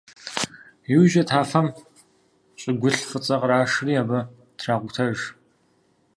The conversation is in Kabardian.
ИужькӀэ тафэм щӀыгулъ фӀыцӀэ кърашри абы тракӀутэж.